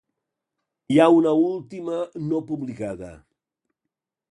Hi ha una última no publicada.